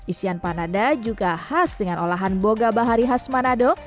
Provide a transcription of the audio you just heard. isian panada juga khas dengan olahan boga bahari khas manado